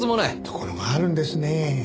ところがあるんですね。